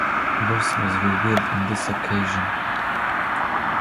Verse was revealed in this occasion.